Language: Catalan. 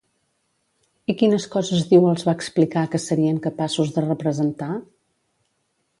I quines coses diu els va explicar que serien capaços de representar?